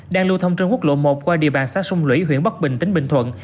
đang lưu thông trên quốc lộ một qua địa bàn xa sung lũy huyện bóc bình tỉnh bình thuận